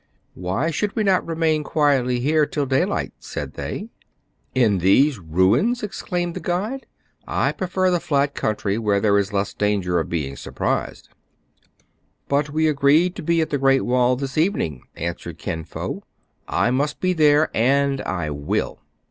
" Why should we not remain quietly here till daylight }" said they. " In these ruins !" exclaimed the guide. " I prefer the flat country, where there i3 les3 danger of being surprised." CRAIG AND FRY SEE THE MOON RISE. 253 " But we agreed to be at the Great Wall this evening," answered Kin Fo. "I must be there, and I will."